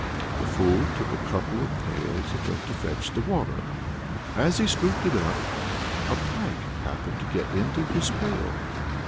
The fool took a couple of pails and went to fetch the water. As he scooped it up, a pike happened to get into his pail.